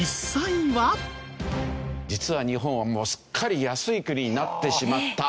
実は日本はすっかり安い国になってしまった。